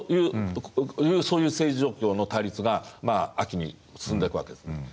そういう政治状況の対立が秋に進んでいくわけです。